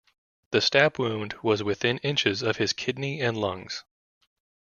The stab wound was within inches of his kidney and lungs.